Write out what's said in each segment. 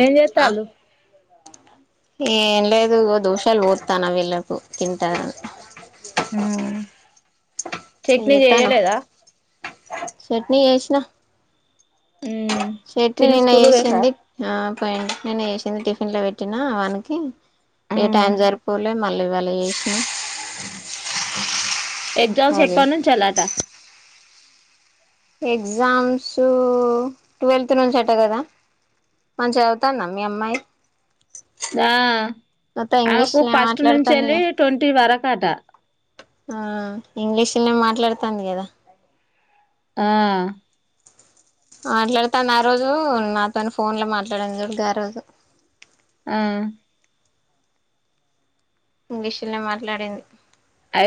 ఏం ఆ చేత్తాళ్ళు ఆ ఏం లేదు ఇగో దోశలు వొత్తన్న ఇళ్లకు తింటారు చట్నీ చేయలేదా చట్నీ చేసిన చట్నీ చిన్న నిన్న స్కూల్ పోయిందా చేసింది ఆ అ పోయిడి నేను వేసింది టిఫిన్ లో పెట్టినా వానికి ఏ టైం సరిపోలే మళ్ళీ ఇవాళ చేసిన ఎగ్జామ్స్ అదే ఎప్పానుంచిలాట ఎగ్జామ్స్ ట్వల్త్ నుంచి అట కదా మంచిగా చదువుతాందా మీ అమ్మాయి ఆ మొత్తం ఆమెకు ఇంగ్లీష్నే ఫస్ట్ నుంచి ఎళ్ళి మాట్లాడుతుందిగా ట్వంటీ వరకట ఆ ఇంగ్లీషునే మాట్లాడతాంది కదా ఆ మాట్లాడతాను ఆ రోజు నాతో ఫోన్ లో మాట్లాడాను చూడు గా రోజు ఆ ఇంగ్లీషునే మాట్లాడింది అఐ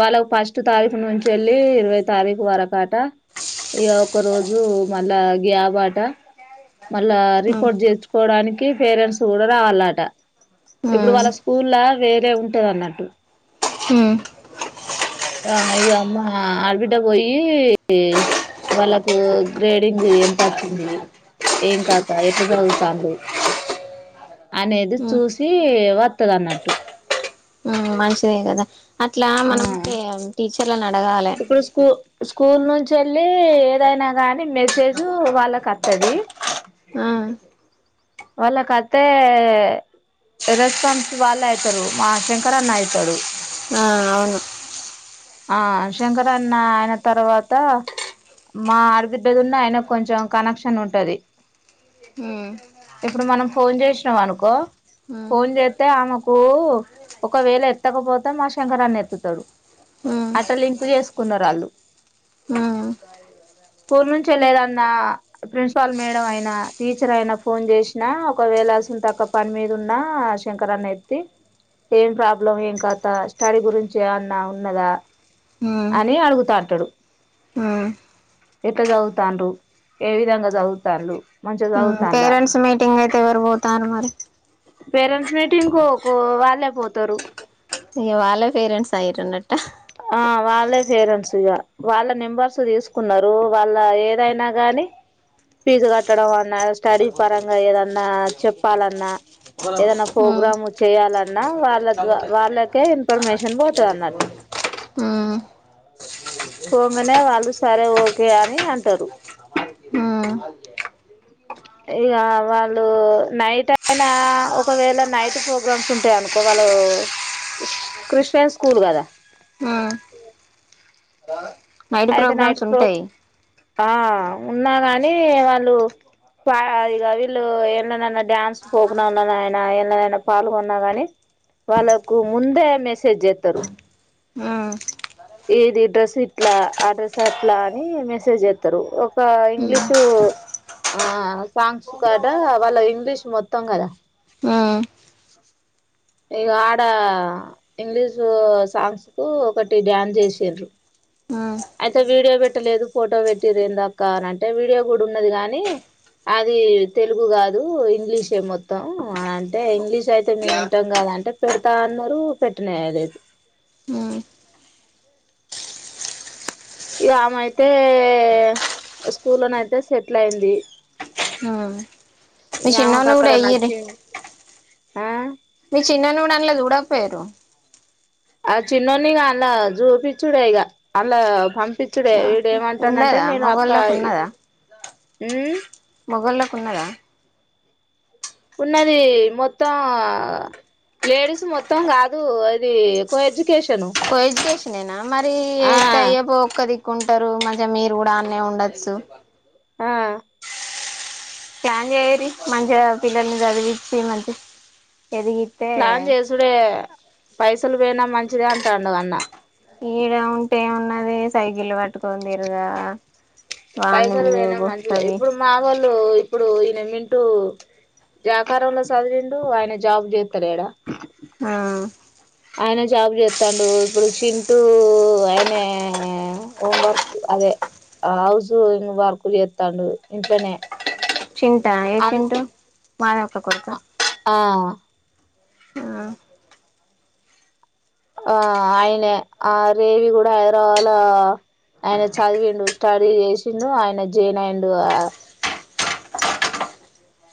వాళ్ళకు ఫస్ట్ తారీఖు నుంచి వెళ్ళి ఇరవై తారీఖు వరకు ఎం అట ఇ ఒక రోజు మళ్ళా గ్యాబాట మళ్ళా రిపోర్ట్ చేర్సుకోవడానికి పేరెంట్స్ కూడా రావాలంట ఇప్పుడు వాళ్ళ స్కూల్ల వేరే ఉంటది అన్నట్టు ఉమ్ ఇక అమ్మ ఆడబిడ్డ పోయి వాళ్ళకు గ్రేడింగ్ ఎంత వచ్చింది ఏం కాద ఎట్లా జదువుతుర్రు అనేది చూసి వస్తది అన్నట్టు మంచిదే కదా అట్లా ఆ మనం టీచర్ ఇప్పుడు స్కూ స్కూల్ నుంచి మళ్ళి ఏదైనా గాని మెసేజ్ వాళ్ళకి వస్తది ఆ వాళ్ళక అత్తే రెస్పాన్స్ వాళ్ళు అవుతారు మా శంకర్ అన్న అవుతాడు ఆ అవును ఆ శంకరన్న అయిన తర్వాత మా ఆడబిడ్డదిన్న అయిన కొంచెం కనెక్షన్ ఉంటుది ఆ ఇప్పుడు మనం ఫోన్ చేసినాం అనుకో ఫోన్ చేస్తే ఆమెకు ఒకవేళ ఎత్తకపోతే మా శంకరన్ని ఎత్తుతాడు అట్టలు ఇం కు చేసుకున్నారు వాళ్ళు స్కూల్ నుంచ లేదన్న ప్రిన్సిపాల్ మేడం అయినా టీచర్ అయినా ఫోన్ చేసినా ఒకవేళ అస తక్క పని మీద ఉన్నా శంకరా అన్న ఎత్తి ఏం ప్రాబ్లం ఏం కాతా స్టడీ గురించి అన్నా ఉన్నదా అని అడుగుతాంటాడు ఎట్లా చదువుతానుర ఏ విధంగా చదువుతాను ఉమ్ పేరెంట్స్ మీటింగ్ అయితే ఎవరు పోతారు మరి పేరెంట్స్ మీటింగ్కు వాళ్ళే పోతారు అయ్యో వాళ్ళ పేరెట్స్ అయ్యిరు అన్నట్టు ఆ వాళ్ళే పేరెంట్స్ ఇగా వాళ్ళ నెంబర్స్ తీసుకున్నారు వాళ్ళ ఏదైనా కానీ ఫీజు కట్టడం అన్నా స్టడీ పరంగా ఏదన్నా చెప్పాలన్నా ఏదైనా ప్రోగ్రామ్ చేయాలన్నా వాళ్ళ ద వాళ్ళకే ఇన్ఫర్మేషన్ పోతది అన్నట్టు పొంగనే వాళ్ళు సరే ఓకే అని అంటారు ఇక వాళ్ళు నైట్ అయిన ఒకవేళ నైట్ ప్రోగ్రామ్స్ ఉంటాయనుకో వాళ్ళు క్రిస్టియన్ స్కూల్ కదా అయితే నైట్ ప్రోగ్రామ్స్ ప్రో ఉంటాయి ఆ ఉన్నా కానీ వాళ్ళు పా ఇది వీళ్ళు ఎందులో నన్న డ్యాన్స్ పోకున ఉన్నా ఆయనా ఎన్ననైనా పాల్గొన్నా గానీ వాళ్ళకు ముందే మెసేజ్ చేస్తారు ఏది డ్రస్ ఇట్లా ఆ డ్రస్ అట్లా అని మెసేజ్ చేస్తారు ఒక ఇంగ్లీషు ఆ సాంగ్స్ కాద వాళ్ళ ఇంగ్లీషూ మొత్తం కదా ఇగా ఆడ ఇంగ్లీషు సాంగ్స్ కు ఒకటి డ్యాన్స్ చేసారు అయితే వీడియో పెట్టలేదు ఫోటో పెట్టిర దాకా అనింటే వీడియో కూడా ఉన్నది కానీ అది తెలుగు కాదు ఇంగ్లీషే మొత్తం అని అంటే ఇంగ్లీష్ అయితే మేము ఇంటం కద అంటే పెడతా అన్నారు పెట్నా లేదు ఇక ఆమె అయితే స్కూల్ లోనే అయితే సెటిల్ అయింది మీ ఇగ ఆమెకు చిన్నోన్ని కూడా అక్కడ వేయిరి నచ్చింది ఆ మీ చిన్నోన్ని కూడా అనలేదు ఊదాకా పోయారు ఆ చిన్నోన్నిగ అలా చూపిచ్చుడే ఈ అల్ పంపి చుడే ఉండదా మగళ్ల్లోకి ఉన్నదా ఉమ్ మొగల్లోకి ఉన్నాదా ఉన్నది మొత్తం లేడీస్ మొత్తం కాదు అది కో ఎడ్యు కో అడ్యుకేషనేనా మరి ఆ ఎతేఅయ్యే ఒక్కతి కుంటారు మంచిగా మీరు కూడా అన్నే ఉండొచ్చు ఆ జాయిన్ చెయ్యిర్రి మంచిగ పిల్లని చదివిచ్చి మంచి ఎదిగితే ప్లాన్ చేసుడే పైసలు పోయినా మంచిదే అంటాడు అన్న ఈడ ఉంటే ఏమున్నది సైకిళ్ల్ పట్టుకని తిరుగా పైసలు పోయినా మంచిదే ఇప్పుడు మా వోళ్ళు ప్పుడు ఇప్పుడు ఈయన మింటూ జాకారంలో చదివిండు ఆయన జాబ్ు చేత్త లేడా ఆ ఆయన జాబ్ చేతండు ఇప్పుడు చింటూ ఆయనే హోం వర్క్ అదే హౌస్ వర్క్ చేస్తాడు ఇంట్లనే చింటా ఏ చింటు. మాధవక్క కొడుకా. ఆ ఆ. ఆ అయినే ఆ రేవి కూడా హైదరాబాదుల ఆయన చదివిండు స్టడీ చేసిండు ఆయన జైనైండు అ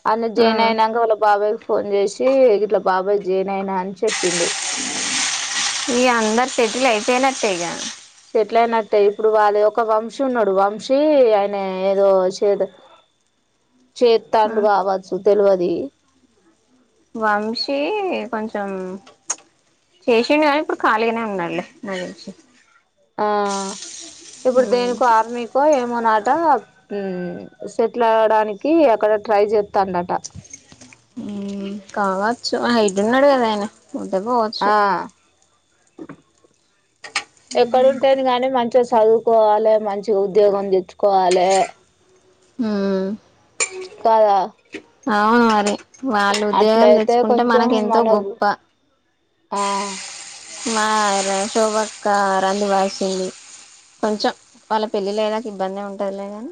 అన్నే ఆ జైన్ అయినాక వాళ్ళ బాబాయిక్కి ఫోన్ చేసి ఇట్లా బాబాయ్ జెయిన్ అయినా అని చెప్పిండు. ఇగ అందరు సెటిల్ అయిపోయినట్టే ఇగ. సెట్లైనట్టే ఇప్పుడు వాళ్ళ ఒక వంశీ ఉన్నాడు వంశీ ఆయన ఏదో చే చేతండు ఆ కావచ్చు తెలువది. వంశీ కొంచెం చేసిండు కానీ ఇప్పుడు ఖాళీగానే ఉన్నాడులే నాకు తెలిసి. ఆ. ఇప్పుడు దేనికో ఆర్మీకో ఎమోనాటా హు సెటిల్ అవడానికి అక్కడ ట్రై చేతందట. కావచ్చు హెయిట్టున్నాడు కదా ఆయన. పోతే పోవచ్చు. ఎక్కడ ఉంటేంది కాని మంచిగా సదువుకోవలె మంచిగా ఉద్యోగం తెచ్చుకోవాలే. ఉమ్. కాద. అవును మరి. వాళ్ళు ఉద్యోగాలు అట్లయితే తెచ్చుకుంటే కొంచెం మనకి ఎంతో మనకు గొప్ప. ఆ మా ర శోభక్క రంది బసింది కొంచెం వాళ్ళ పెళ్ళిలయ్యేదక ఇబ్బందే ఉంటదిలేగాని.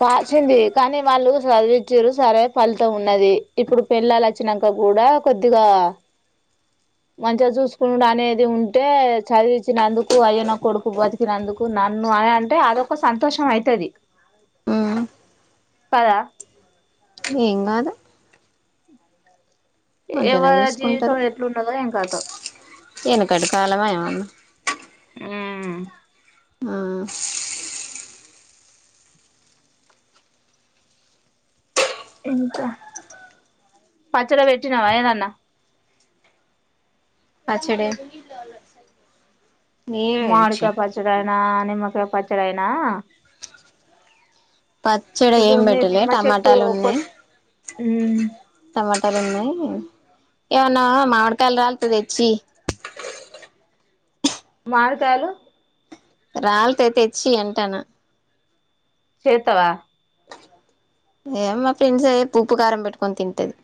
పాసింది కానీ వాళ్ళు సాధివిచ్చిరు సరే ఫలితం ఉన్నది ఇప్పుడు పెళ్ళాలు వచ్చినక్క కూడా కొద్దిగా. మంచిగా చూసుకుడు అనేది ఉంటే చదివించినందుకు అయ్యే నా కొడుకు బతికినందుకు నన్ను అని అంటే అదొక సంతోషం అయితది. ఉమ్. కదా. ఏంకాదు. మంచిగానే ఎవరి చూసుకుంటారు జీవితం ఎట్లున్నదో ఏం కథో ఎనుకటి కాలమా ఏమన్నా. ఆ. ఇంకా పచ్చడ పెట్టినవ ఏదన్న. పచ్చడే. మడికాయి పచ్చడయినా. దానిమ్మకాయ్ పచ్చడైన. పచ్చడి ఏం ఇప్పుడు మీరు పెట్టలే నిమ్మ చెట్టు టమాటాలు ఉన్నాయి కొట్ మ్మ్ టమాటాలు ఉన్నాయి. ఏమన్న మామిడికాయలు రాల్తే తెచ్చీయ్యి. మామిడికాయలు రాల్తే తెచ్చియ్యి అంటానా చేస్తావా ఏ మా ఫ్రెండ్స్ ఏ ఉప్పు ఉప్పు కారం పెట్టుకొని తింటది.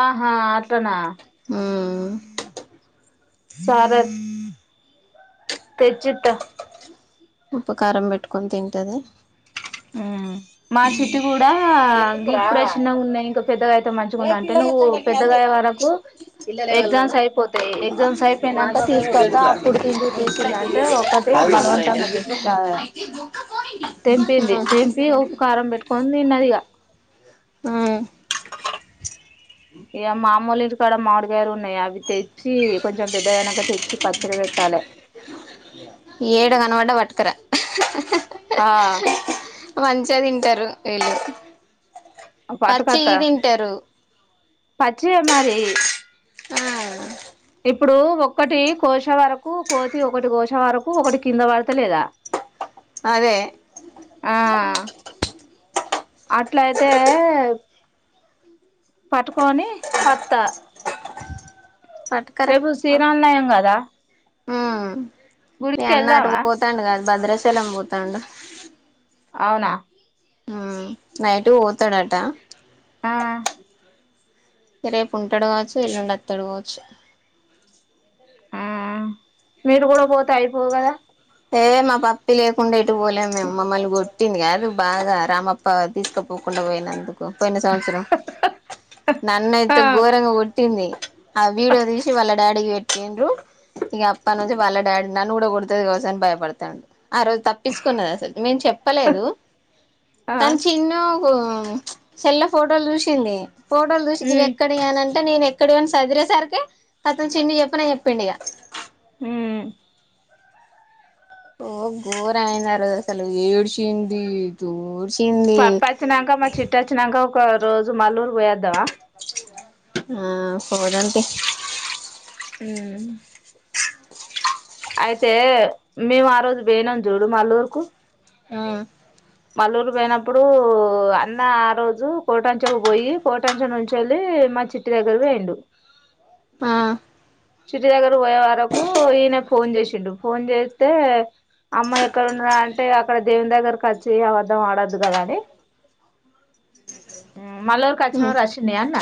ఆహా అట్లానా. ఉమ్ సరే తెచ్చిత్త. ఉప్పుకారం పెట్టుకొని తింటది. మ్మ్ మా చిట్టి కూడా గిప్పుడే చిన్నగున్నాయి ఇంక పెద్దగైతే మంచిగుండు అంటే నువ్వు పెద్దగయే వరకు ఎగ్జామ్స్ అయిపోతాయి ఎగ్జామ్స్ అయిపోయినాక తీసుకోతా అప్పుడు తిందు తి చిన్న అంటే ఒకటి బలవంతంగా ఆ తెంపింది. కారం పెట్టుకని తిన్నదిగా ఆ ఇక మామూలే ఇంటి కాడ మామిడికాయలు ఉన్నాయి అవి తె చ్చి కొంచెం పెద్దదైనకా తెచ్చి పచ్చడి పేట్టాల [inaudible] మంచం సరే వెళ్ళు పట్టుకత్త పచ్చివి తింటరు పచ్చివే మరి ఆ ఇప్పుడు ఒక్కటి కోశ వరకు కోతి ఒకటి కోశ వరకు ఒకటి కింద పడత లేదా అదే అట్ల అయితే పటు కొని అత్త పట్టుకరా రేపు శ్రీరామ నయం కదా ఆ మీ గుడికి అన్న అటు వెళ్దామా పోతాండు కాదు భద్రచలం పోతాండు అవునా నైట్ కు పోతాడట ఆ రేపు ఉంటాడు కావచ్చు ఎల్లుండి వత్తాడు కావచ్చు ఆ మీరు కూడా పోతే అయిపోవు కదా ఏ మా పప్పి లేకుండా ఇటు పోలేము మే మమ్మల్ని కొట్టింది కాదు బాగా రామప్ప తీసుకపోకుండా పోయినందుకు పోయిన సంవత్సరం ఆ నన్నైయితే గోరంగా గొట్టి పట్టింది ఆ వీడియో తీసి వాళ్ళ డాడీకి పెట్టిండ్రు ఇగ పని వచ్చి వాళ్ళ డాడీ నన్ను కూడ కొడతది కచ్చు అని భయపడతండూ ఆ రోజు తపిచకున్నది అసలు మేం చెప్పలేదు ఆ తను చిన్న ఓ చెల్ల ఫోటోలు చూసింది ఫోటోలు చూసి ఇవి ఉమ్ ఎక్కడయనంటే అంటే నేను ఎక్కడ పోనా చదిరే సరికె అతం చిన్ని చెప్పన చెప్పిం ఇగ ఉమ్ ఓ గోరమైంది ఆరోజు అసలు ఏడ్చింది దోడ్ పప్ప వచ్చినాక మా చిట్టొచ్చినాక ఇ రోజు మాలూరు పోయాద్దామ ఆ పోదం తీ హమ్ అయితే మేము ఆ రోజు బెనాం చూడు మల్లూరుకు ఆ మల్లూరు పోయినప్పుడు అన్న ఆ రోజు కోటాంచకు పోయి కోటాంచా నుంచి వెల్లి మా చిట్టి దగ్గర పోయిండు ఆ చిటి దగ్గర పోయే వరకు ఈయన ఫోన్ చేసిండు ఫోన్ చేస్తే అమ్మాయి ఎక్కడ ఉన్నద అంటే అక్కడ దేవున్ దగ్గరకి వచ్చి అ వద్దాం ఆడద్దు కదా అని మల్లూరుకిచ్చిన ఉమ్ రసిండ అన్న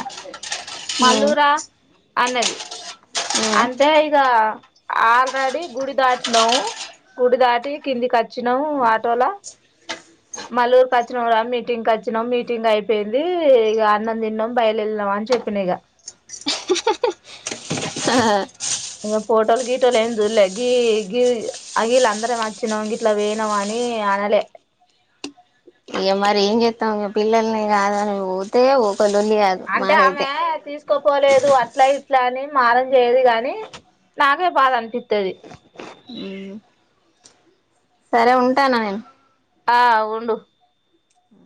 ఉమ్ మల్లూరా అన్నది ఉమ్ అంతే ఇగ ఆల్రాడి గుడి దాటినావ్ గుడి దాటి కిందికి అచ్చినం ఆటోల మల్లూరుకి వచ్చినం రా మీటింగ్కి వచ్చినాం మీటింగ్ అయిపోయింది ఇగ అన్నం తిన్నాం బయలు వెళ్ళినాం అని చెప్పిన ఇగ ఆ ఇం ఫటోలు గీటోలే చూల్లే గీ గీ అగీల్ అందరం మచిన గిట్ల పోయినమ్ అని అనలే ఇ మరి ఏం చేస్తాం పిల్లల్ని కాద పోతే కొలులి కదు మాకైతే ఉసుక్కపోలేదు అట్ల ఇట్ల అని మారం చేయదు గాని నాకే బాధ అనిపిత్తది సరే ఉంటాన నేను ఆ ఉండు ఆ